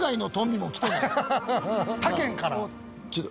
他県から。